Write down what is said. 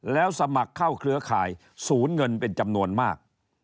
แล้วสมัครเข้าเครือข่ายศูนย์เงินเป็นจำนวนมาก